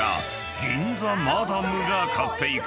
銀座マダムが買っていく